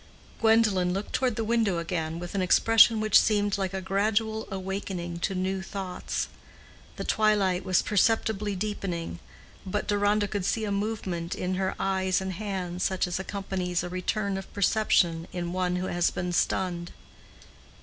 Gwendolen looked toward the window again with an expression which seemed like a gradual awakening to new thoughts. The twilight was perceptibly deepening, but Deronda could see a movement in her eyes and hands such as accompanies a return of perception in one who has been stunned.